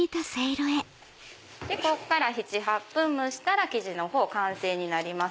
ここから７８分蒸したら生地のほう完成になります。